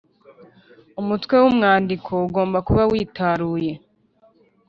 Umutwew’umwandiko ugomba kuba witaruye